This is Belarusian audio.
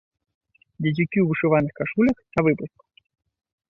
Дзецюкі ў вышываных кашулях навыпуск.